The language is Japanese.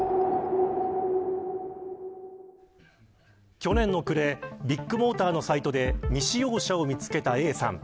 去年の暮れビッグモーターのサイトで未使用車を見つけたＡさん